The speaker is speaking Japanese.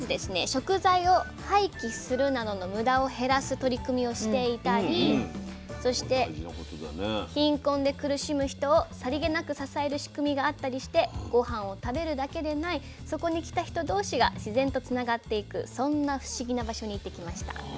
食材を廃棄するなどの無駄を減らす取り組みをしていたりそして貧困で苦しむ人をさりげなく支える仕組みがあったりしてごはんを食べるだけでないそこに来た人同士が自然とつながっていくそんな不思議な場所に行ってきました。